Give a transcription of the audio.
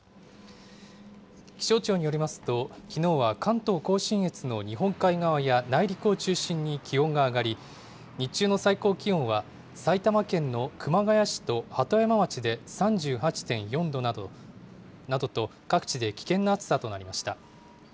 気象庁によりますと、きのうは関東甲信越の日本海側や内陸を中心に気温が上がり、日中の最高気温は埼玉県の熊谷市と鳩山町で３８．４度などと、各地で危険な暑さとなりました。